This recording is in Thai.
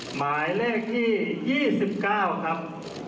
หมายเลขที่๒๙ครับ